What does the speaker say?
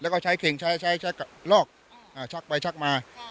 แล้วก็ใช้เข่งใช้ใช้ใช้กับลอกอ่าชักไปชักมาอ่า